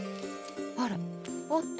あらあった。